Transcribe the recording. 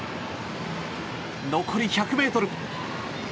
残り１００ｍ。